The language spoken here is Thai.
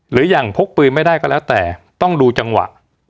หรือยังพกปืนไม่ได้ก็แล้วแต่ต้องดูจังหวะ